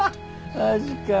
マジか。